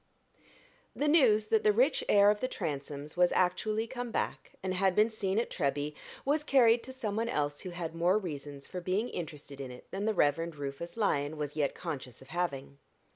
The news that the rich heir of the Transomes was actually come back, and had been seen at Treby, was carried to some one else who had more reasons for being interested in it than the Reverend Rufus Lyon was yet conscious of having.